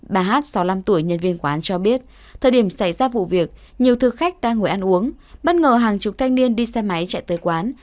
bà hát sáu mươi năm tuổi nhân viên quán cho biết thời điểm xảy ra vụ việc nhiều thực khách đang ngồi ăn uống bất ngờ hàng chục thanh niên đi xe máy chạy tới quán